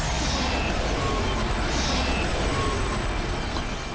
あっ。